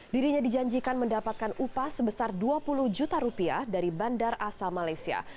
dirinya dijanjikan mendapatkan upah sebesar dua puluh juta rupiah dari bandar asal malaysia